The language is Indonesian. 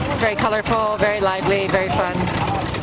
sangat berwarna sangat menyenangkan sangat menyenangkan